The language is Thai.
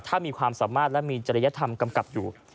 ถ้ามีความสามารถและมีจริยธรรมกำกับอยู่